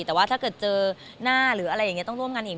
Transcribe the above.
แต่ว่าถ้าเกิดเจอหน้าหรืออะไรอย่างนี้ต้องร่วมงานอีก